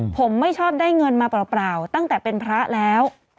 ผมไม่ชอบได้เงินมาเปล่าตั้งแต่เป็นพระแล้ว